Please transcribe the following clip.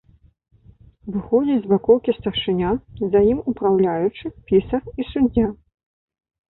Выходзіць з бакоўкі старшыня, за ім упраўляючы, пісар і суддзя.